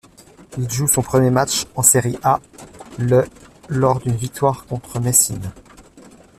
Il joue son premier match en Serie A le lors d'une victoire contre Messine.